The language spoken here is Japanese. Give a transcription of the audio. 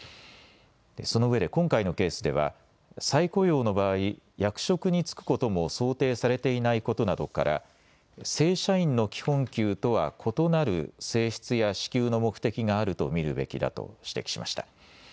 そのうえで今回のケースでは再雇用の場合、役職に就くことも想定されていないことなどから正社員の基本給とは異なる性質や支給の目的があると見るべきだと指摘しました。